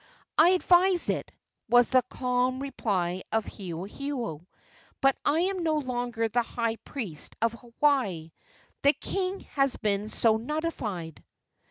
"I advise it," was the calm reply of Hewahewa; "but I am no longer the high priest of Hawaii; the king has been so notified."